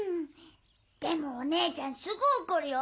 でもお姉ちゃんすぐ怒るよ。